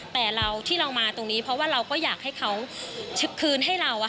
แต่เราที่เรามาตรงนี้เพราะว่าเราก็อยากให้เขาคืนให้เรา